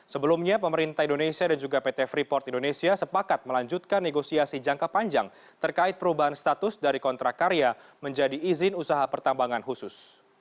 sebelumnya pemerintah indonesia dan juga pt freeport indonesia sepakat melanjutkan negosiasi jangka panjang terkait perubahan status dari kontrak karya menjadi izin usaha pertambangan khusus